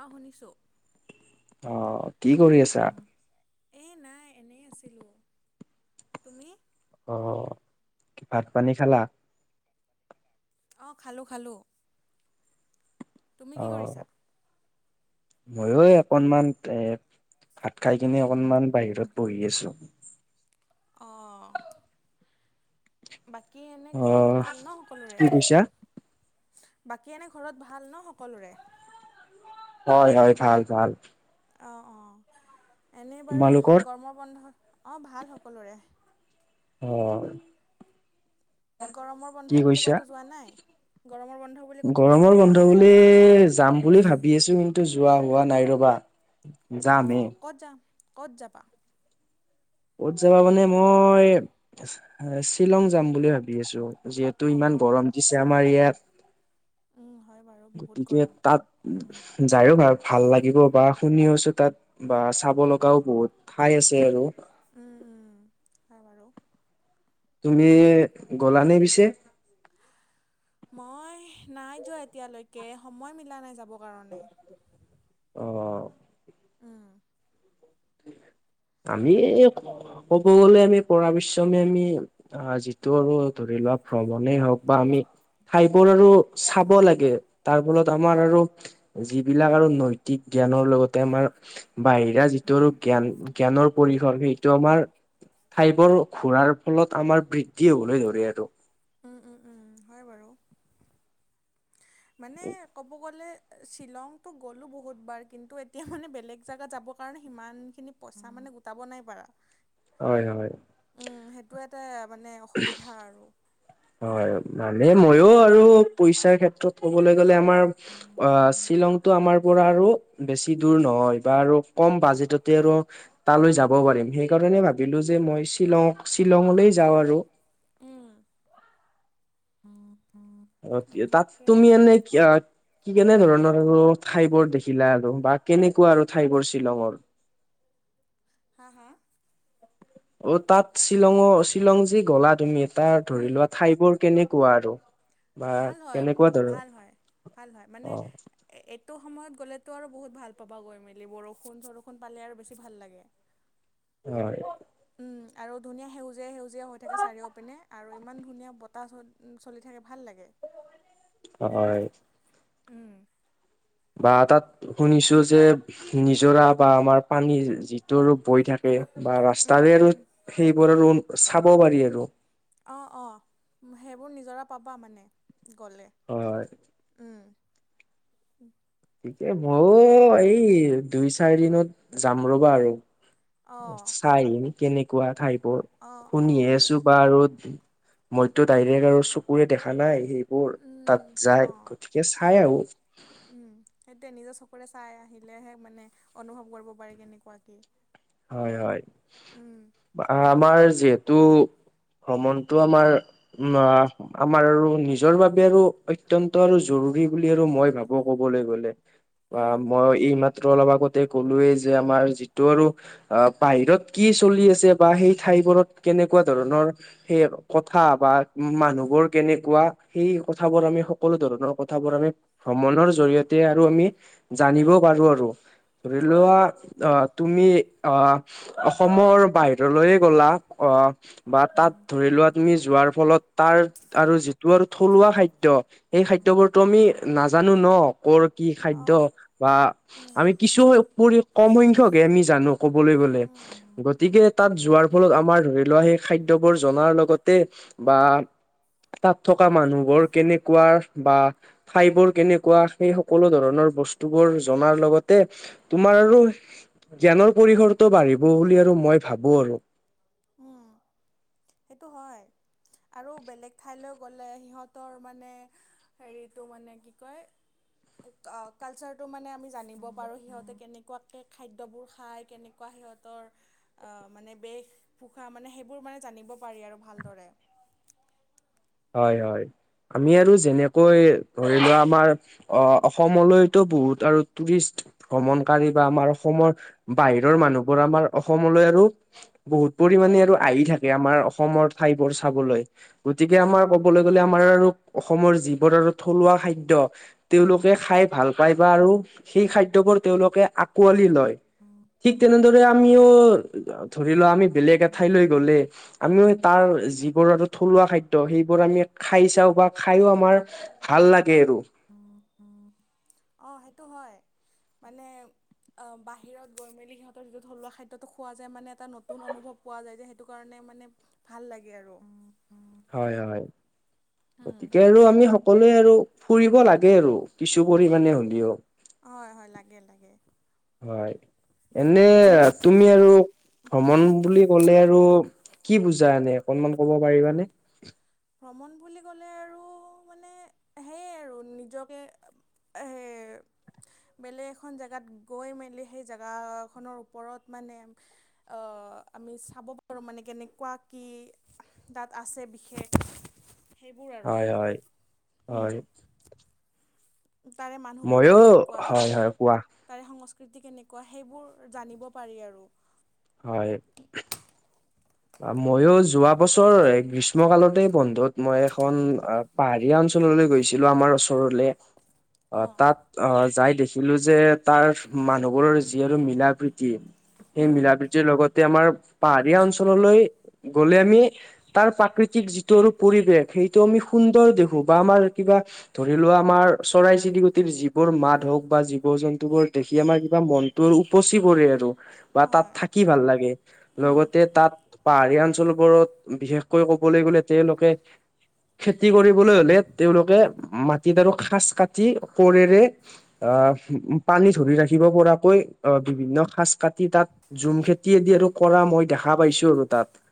অ শুনিছোঁ। অ কি কৰি আছা? এই নাই এনেই আছিলোঁ। তুমি? অ' ভাত-পানী খালা? অ খালোঁ খালোঁ। তুমি কি অহ কৰিছা ময়ো অকনমান এ ভাত খাই কিনে অকনমান বাহিৰত বহি আছো। অ', বাকী এনে ঘৰত অ', ভাল ন সকলোৰে? কি কৈছা? বাকী এনে ঘৰত ভাল ন সকলোৰে? হয়', হয়', ভাল ভাল। অ', অ', এনেই বাৰু তোমালোকৰ? গৰমৰ বন্ধত অ', ভাল সকলোৰে। অ', গৰমৰ কি বন্ধ বুলি কৈছা? ক'তো যোৱা নাই? - গৰমৰ বন্ধ বুলি ক'তো যোৱা নাই? এ যাম বুলি ভাবি আছো কিন্তু যোৱা হোৱা নাই ৰ'বা। যামহে, অ', ক'ত যাম ক'ত যাবা? ক'ত যাবা মানে মই শ্বিলং যাম বুলি ভাবি আছো। যিহেতু ইমান অঁ গৰম দিছে আমাৰ ইয়াত। হয় বাৰু বহুত গতিকে গৰম তাত উম যায়ো ভা- ভাল লাগিব বা শুনিও আছো তাত। বা চাব লগাও বহুত ঠাই আছে আৰু। উম', হয় বাৰু তুমি গলানে পিছে? মই নাই যোৱা এতিয়ালৈকে সময় মিলা নাই যাবৰ কাৰণে। অ', উম', আমি ক'ব গলে আমি পৰা বিশ্ৰামি আমি। আ', যিটো আমি ধৰি লোৱা ভ্ৰমণেই হক বা আমি ঠাইবোৰ আৰু। চাব লাগে তাৰ ফলত। আমাৰ আৰু যিবিলাক আৰু নৈতিক জ্ঞান লগতে আমাৰ বাহিৰা টো আৰু জ্ঞান জ্ঞানৰ পৰিসৰ সেইটো আমাৰ ঠাইবোৰ ঘূৰাৰ ফলত আমাৰ বৃদ্ধি হ'বলৈ ধৰে আৰু উম উম উম হয় বাৰু মানে ক'ব গ'লে শ্বিলংটো গ'লোঁ বহুতবাৰ কিন্তু এতিয়া মানে বেলেগ জেগাত যাবৰ কাৰণে সিমানখিনি পইচা মানে গোটাব নাই পাৰা হয় হয় উম সেইটো এটা মানে অসুবিধা আৰু হয় ভালে ময়ো উম। আৰু পইচাৰ ক্ষেত্ৰত ক'বলৈ গ'লে আমাৰ অ শ্বিলংতটো আমাৰ পৰা আৰু বেছি দূৰ নহয় বা আৰু কম বাজেটতে আৰু তালৈ যাব পাৰিম সেইকাৰণে ভাবিলো যে মই শ্বিলং শ্বিলঙলৈ যাওঁ আৰু অ অ তাত তুমি এনে কি কি কেনে ধৰণৰ আৰু ঠাই বোৰ দেখিলা আৰু বা কেনেকুৱা আৰু ঠাই বোৰ শ্বিলঙৰ হা হা অ তাত শ্বিলঙৰ শ্বিলং যি গলা তুমি তাৰ ধৰি উম লোৱা ঠাইবোৰ কেনেকুৱা আৰু বা ভাল হয় কেনেকুৱা ধৰ ভাল হয় ভাল ভাল মানে অ এইটো সময়ত গ'লেতো আৰু বহুত ভাল পাবা গৈ মেলি বৰষুণ চৰষুণ পালে আৰু বেছি ভাল লাগে হয় উম আৰু ধুনীয়া সেউজীয়া সেউজীয়া হৈ থাকে চাৰিও পিনে আৰু ইমান ধুনীয়া বতাহ চ চলি থাকে ভাল লাগে হয় উম বা তাত শুনিছো যে নিজৰা বা আমাৰ পানীৰ যিটো ৰূপ বৈ থাকে বা উম, ৰাস্তাৰে আৰু সেইবোৰ আৰু চাব পাৰি আৰু অ অ সেইবোৰ নিজৰা পাবা মানে গ'লে হয় হয় উম ঠিকে মইয়ো এই দুই চাৰি দিনত যাম ৰ'বা আৰু অ', চাইম কেনেকুৱা ঠাইবোৰ অ', শুনিয়ে অ', আছো বা আৰু মইতো ডাইৰেক্ট আৰু চকুৰে দেখা নাই সেই বোৰ তাত উম, যায় অ'। গতিকে চাই অ', আহো উম সেইটোৱে নিজৰ চকুৰে চাই আহিলেহে মানে অনুভৱ কৰিব পাৰি কেনেকুৱা কি হয় হয় উম, আমাৰ যিহেতু ভ্ৰমণটো আমাৰ উম আমাৰ আৰু নিজৰ বাবে আৰু অত্যন্ত আৰু জৰুৰী বুলি আৰু মই ভাবো কবলৈ গ'লে বা উম, মই এইমাত্ৰ অলপ আগতে ক'লোয়েই যে আমাৰ যিটো আৰু আহ বাহিৰত কি চলি আছে বা সেই ঠাইবোৰত কেনেকুৱা ধৰণৰ সেই কথা বা মানুহবোৰ কেনেকুৱা সেই কথাবোৰ আমি সকলো ধৰণৰ কথাবোৰ আমি ভ্ৰমণৰ জৰিয়তে আৰু আমি জানিব পাৰো আৰু ধৰিলোৱা আহ তুমি অ অসমৰ বাহিৰলৈয়ে গ'লা অ বা তাত ধৰি লোৱা তুমি যোৱাৰ ফলত তাৰ আৰু যিটো আৰু থলুৱা খাদ্য সেই খাদ্যবোৰতো আমি নাজানো ন কৰ কি খাদ্য অ', বা উম, আমি কিছু পৰি কম সংখ্যয়ক হে আমি জানো ক'বলৈ গ'লে উম, গতিকে তাত যোৱাৰ ফলত আমাৰ ধৰি লোৱা সেই খাদ্যবোৰ জনাৰ লগতে বা তাত থকা মানুহবোৰ কেনেকুৱা বা ঠাইবোৰ কেনেকুৱা সেই সকলো ধৰণৰ বস্তুবোৰ জনাৰ লগতে তোমাৰ আৰু জ্ঞানৰ পৰিসৰটো বাঢ়িব বুলি আৰু মই ভাবো আৰু উম। সেইটো হয় আৰু বেলেগ ঠাইলৈ গ'লে সিহঁতৰ মানে হেৰি টো মানে কি কয় আ কালচাৰটো মানে আমি জানিব পাৰোঁ সিহঁতে কেনেকুৱাকে খাদ্যবোৰ খায় কেনেকুৱা সিহঁত তৰ মানে বেশ পোখা মানে সেইবোৰ মানে জানিব পাৰি আৰু ভালদৰে হয় হয় আমি আৰু যেনেকৈ ধৰি লোৱা আমাৰ অ অসমলৈতো বহুত আৰু টুৰিষ্ট ভ্ৰমণকাৰী বা আমাৰ অসমৰ বাহিৰৰ মানুহবোৰ আমাৰ অসমলৈ আৰু বহুত পৰিমণে আৰু আহি থাকে আমাৰ অসমৰ ঠাইবোৰ চাবলৈ গতি কে আমাৰ ক'বলৈ গ'লে আমাৰ আৰু অসমৰ যিবোৰ আৰু থলুৱা খাদ্য তেওঁলোকে খাই ভাল পায় বা আৰু সেই খাদ্যবোৰ তেওঁলোকে আকোৱালি লয় ঠিক তেনেদৰে আমিও ধৰি লোৱা আমি বেলেগ এঠাইলৈ গলে আমিও তাৰ যিবোৰ আৰু থলুৱা খা দ্য সেইবোৰ আমি খাই চাওঁ বা খাইয়ো আমাৰ ভাল লাগে আৰু অ সেইটো হয় মানে অ বাহিৰত গৈ মেলি সিহঁতৰ য'ত থলুৱা খাদ্য টো খোৱা যায় মানে এটা নতুন অনুভৱ পোৱা যায় যে সেইটো কাৰণে মানে ভাল লাগে আৰু হয় হয়। গতিকে আৰু আমি সকলোৱে আৰু ফুৰিব লাগে আৰু কিছু পৰিমাণে হ'লেও। হয় হয়, লাগে লাগে। হয়। এনে এনেই তুমি আৰু- ভ্ৰমণ বুলি ক'লে আৰু কি বুজা এনেই অকণমান ক'ব পাৰিবানে? ভ্ৰমণ বুলি ক'লে আৰু মানে সেয়াই আৰু নিজকে- সেই- বেলেগ এখন জেগাত গৈ মেলি সেই জেগাখনৰ ওপৰত মানে- আঁহ আমি চাব পাৰোঁ মানে কেনেকুৱা কি তা'ত আছে বিশেষ- সেইবোৰ আৰু হয় হয় উমঁ। হয় তাৰে মানুহবোৰ ময়ো হয় কেনেকুৱা- হয় কোৱা তাৰে সংস্কৃতি কেনেকুৱা সেইবোৰ জানিব পাৰি আৰু। হয়। মইও যোৱা বছৰ গ্ৰীষ্ম কালতেই বন্ধত মই এখন- পাহাৰীয়া অঞ্চললৈ গৈছিলো আমাৰ ওচৰলে অহ অঁ তাত- অ যাই দেখিলো যে তাৰ মানুহবোৰৰ যি আৰু মিলা-প্ৰীতি- সেই মিলা-প্ৰীতিৰ লগতে আমাৰ পাহাৰীয়া অঞ্চললৈ গ'লে আমি- তাৰ প্ৰাকৃতিক যিটো আৰু পৰিৱেশ সেইটো আমি সুন্দৰ দেখো বা আমাৰ কিবা- ধৰি লোৱা আমাৰ চৰাই-চিৰিকটিৰ যিবোৰ মাত হওঁক বা জীৱ- জন্তুবোৰ দেখি আমাৰ কিবা মন- টো উপচি পৰে আৰু বা তা'ত হয় থাকি ভাল লাগে। লগতে তা'ত পাহাৰীয়া অঞ্চলবোৰত বিশেষকৈ কবলৈ গ'লে তেওঁলোকে- খেতি কৰিবলৈ হ'লে তেওঁলোকে মাটিত আৰু খাচ কাটি কুৰেৰে- আহ পানী ধৰি ৰাখিব পৰাকৈ অহ বিভিন্ন খাচ কাটি তা'ত- জুম খেতি আদি আৰু কৰা মই দেখা পাইছো। আৰু তা'ত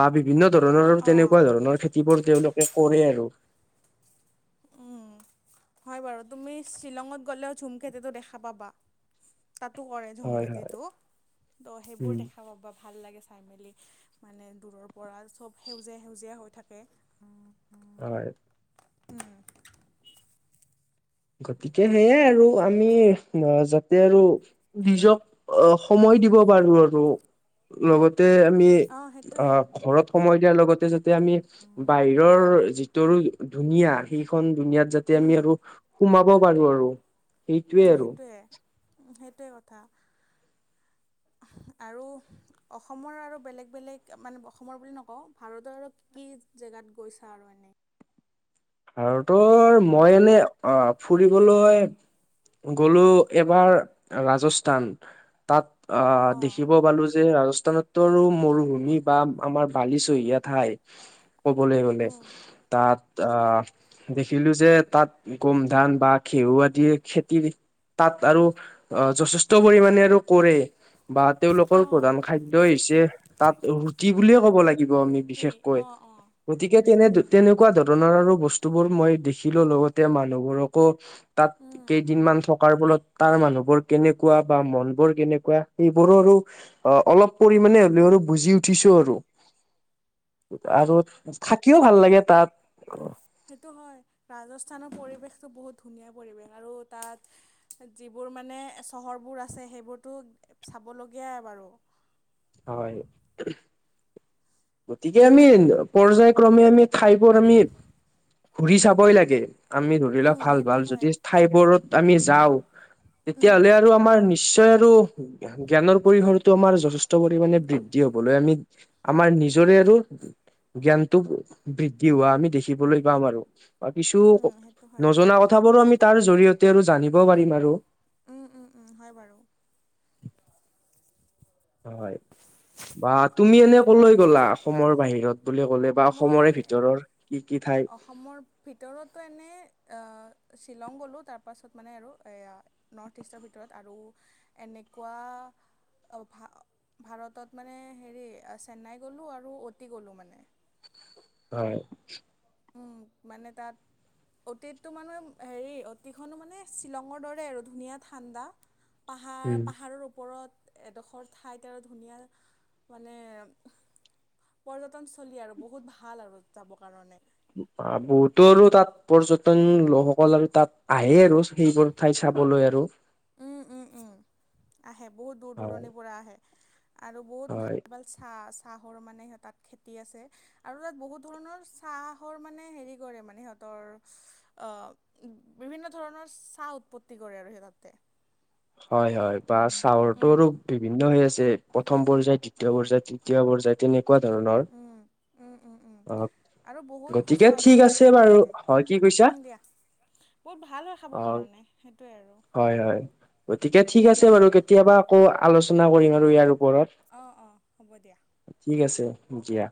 বা বিভিন্ন ধৰণৰ অঁ তেনেকুৱা ধৰণৰ খেতিবোৰ তেওঁলোকে কৰে আৰু। হয় বাৰু। তুমি শ্বিলঙত গ'লেও ঝুমখেতিটো দেখা পাবা। তাতো কৰে ঝুম হয় হয় খেতিটো ত' সেইবোৰ উম দেখা পাবা। ভাল লাগে চাই মেলি মানে দূৰৰ পৰা চব সেউজীয়া সেউজীয়া হৈ থাকে। উম হয় উম। গতিকে সেয়াই আৰু আমি যাতে আৰু- নিজক অ সময় দিব পাৰো আৰু লগতে - আমি অঁ সেইটোৱে অ ঘৰত সময় দিয়াৰ লগতে যদি- আমি বাহিৰৰ যিটো ধুনীয়া সেইখন দুনিয়াত যাতে আমি উম আৰু- সোমাব পাৰো আৰু। সেইটোৱে আৰু সেইটোৱে সেইটোৱে কথা। [inaudible] আৰু- অসমৰ আৰু বেলেগ বেলেগ মানে অসমৰ বুলি নকওঁ ভাৰতৰ আৰু কি কি জেগাত গৈছা আৰু এনেই? আৰু ত' মই এনেই অ ফুৰিবলৈ - গ'লো এবাৰ ৰাজস্থান। তা'ত অঁ দেখিব পালো যে ৰাজস্থানত - মৰুভূমি বা আমাৰ বালিচহীয়া ঠাই - ক'বলৈ গ'লে। উম তা'ত আ - দেখিলো যে তা'ত গোম ধান বা ঘেঁহু আদিৰ খেতি। তা'ত আৰু অ যথেষ্ট পৰিমানে আৰু কৰে। বা তেওঁলোকৰ অঁ প্ৰধান খাদ্যই হৈছে তাত ৰুটি বুলিয়ে ক'ব লাগিব আমি ৰুটি বিশেষকৈ অঁ অঁ গতিকে তেনে উম তেনে নেকুৱা ধৰণৰ আৰু বস্তুবোৰ মই দেখিলো লগতে মানুহবোৰকো তাত উম কেইদিনমান থকাৰ ফলত তাৰ মানুহবোৰ কেনেকুৱা বা মন বোৰ কেনেকুৱা সেইবোৰৰো অ অলপ পৰিমানে হলেও আৰু বুজি উঠিছো আৰু আৰু অঁ থাকিও ভাল লাগে তাত সেইটো হয় ৰাজস্থানৰ পৰিৱেশটো বহুত ধুনীয়া পৰিৱেশ আৰু তাত যিবোৰ মানে চহৰবোৰ আছে সেইবোৰতো চাবলগীয়া বাৰু হয় গতিকে আমি তাৰে পৰ্যায় ক্ৰমে আমি ঠাইবোৰ আমি ঘুৰি চাবই লাগে আমি ধৰিলোৱা উম ভাল সেইটো ভাল যদি হয় ঠাইবোৰত আমি যাওঁ উম তেতিয়াহ'লে আৰু আমাৰ নিশ্চয় আৰু জ্ঞানৰ পৰিবেষনটো আমাৰ যথেষ্ট যথেষ্ট পৰিমাণে বৃদ্ধি হবলৈ আমি আমাৰ নি জৰে আৰু জ্ঞানটো বৃদ্ধি হোৱা আমি দেখিবলৈ পাম আৰু কিছু উম সেইটো হয় নজনা কথাবোৰো আমি তাৰ জৰিয়তে আৰু জানিব পাৰিম আৰু উম উম উম হয় বাৰু হয় বা তুমি এনে কলৈ গ'লা অসমৰ বাহিৰত বুলি ক'লে বা মই অসমৰে ভিতৰৰ কি কি ঠাই অসমৰ ভিতৰতো এনে শ্বিলং গ'লোঁ তাৰপাছত মানে আৰু এয়া নৰ্থ ইষ্টৰ ভিতৰত আৰু এনেকুৱা ভা ভাৰতত মানে হেৰি চেন্নাই গ'লোঁ আৰু অতি গ'লোঁ মানে হয় উম মানে তাত অতীতটো মানে হেৰি অতিখন মানে শ্বিলঙৰ দৰে আৰু ধুনীয়া ঠাণ্ডা পাহাৰ উম। পাহাৰৰ ওপৰত এডখৰ ঠাইত আৰু ধুনীয়া মানে পৰ্যটনস্থলী আৰু বহুত ভাল আৰু যাবৰ কাৰণে বহুতো আৰু তাত পৰ্যটন লোকসকল আৰু তাত আহে আৰু সেইবোৰ ঠাই চাবলৈ আৰু উম উম উম আহে বহুত দূৰ হয় দূৰণিৰ পৰা আহে আৰু বহুত হয় ভাল ভাল চা চাহৰ মানে সিহঁত তাত খেতি আছে আৰু তাত বহুত ধৰণৰ চাহৰ মানে হেৰি কৰে মানে সিহঁতৰ অহ বিভিন্ন ধৰণৰ চাহ উৎপত্তি কৰে আৰু সেই তাতে হয় হয় বা উম, চাউলটো উম, আৰু বিভিন্ন হৈ আছে প্ৰথম পৰ্যায়, দ্বিতীয় উম, পৰ্যায়, তৃতীয় পৰ্যায় তেনেকুৱা ধৰণৰ উম, উম, উম অ আৰু বহুত গতিকে সুস্বাদু ঠিক হয় খাবৰ আছে বাৰু কাৰণে। হয়, কি কৈছা? উম, দিয়া বহুত ভাল হয় অ খাবৰ কাৰণে সেইটোৱে আৰু হয় হয় গতিকে ঠিক দিয়া আছে বাৰু নহ'লে। কেতিয়াবা আকৌ আলোচনা কৰিম আৰু ইয়াৰ ওপৰত অঁ অঁ হ'ব দিয়া ঠিক আছে হব দিয়া